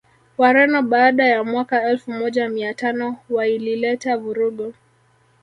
Wareno baada ya mwaka Elfu moja miatano wailileta vurugu